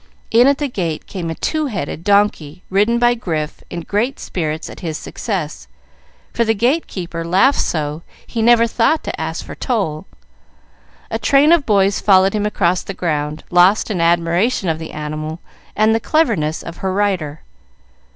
In at the gate came a two headed donkey, ridden by Grif, in great spirits at his success, for the gate keeper laughed so he never thought to ask for toll. A train of boys followed him across the ground, lost in admiration of the animal and the cleverness of her rider.